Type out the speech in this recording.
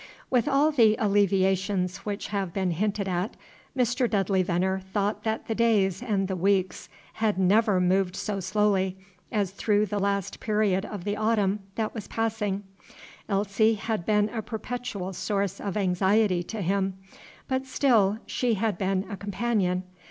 With all the alleviations which have been hinted at, Mr. Dudley Venner thought that the days and the weeks had never moved so slowly as through the last period of the autumn that was passing. Elsie had been a perpetual source of anxiety to him, but still she had been a companion.